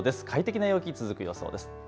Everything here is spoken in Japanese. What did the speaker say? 快適な陽気、続く予想です。